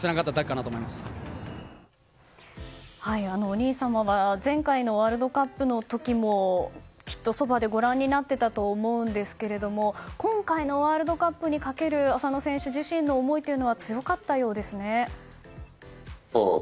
お兄様は前回のワールドカップの時もきっとそばでご覧になっていたと思うんですけども今回のワールドカップにかける浅野選手自身の思いは強かったようですね。